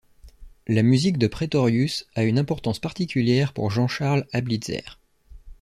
La musique de Praetorius a une importance particulière pour Jean-Charles Ablitzer.